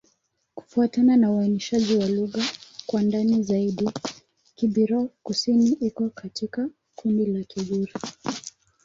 Kufuatana na uainishaji wa lugha kwa ndani zaidi, Kibirifor-Kusini iko katika kundi la Kigur.